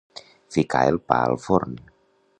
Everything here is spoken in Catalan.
Ficar el pa al forn.